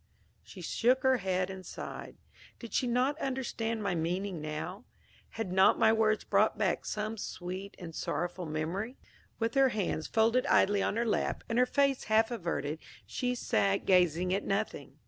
She shook her head and sighed. Did she not understand my meaning now had not my words brought back some sweet and sorrowful memory? With her hands folded idly on her lap, and her face half averted, she sat gazing at nothing.